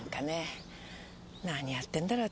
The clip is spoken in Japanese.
何やってんだろ？